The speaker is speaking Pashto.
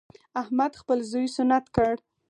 احمد خپل زوی سنت کړ.